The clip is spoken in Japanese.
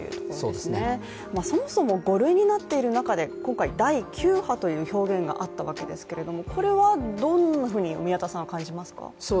そもそも５類になっている中で今回、第９波という表現があったわけですけどこれはどんなふうに宮田さんは感じますか？